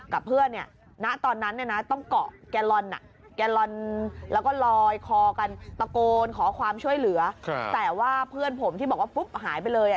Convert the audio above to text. กับเพื่อนเนี่ยณตอนนั้นเนี่ยนะต้องเกาะแกลลอนแกลลอนแล้วก็ลอยคอกันตะโกนขอความช่วยเหลือแต่ว่าเพื่อนผมที่บอกว่าปุ๊บหายไปเลย